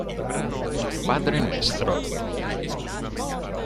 Padre nuestro